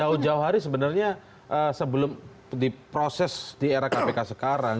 jauh jauh hari sebenarnya sebelum diproses di era kpk sekarang